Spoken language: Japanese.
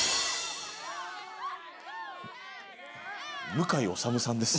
向井理さんです。